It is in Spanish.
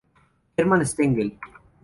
Herman Stengel